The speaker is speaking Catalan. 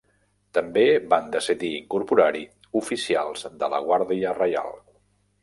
També van decidir incorporar-hi oficials de la Guàrdia Reial.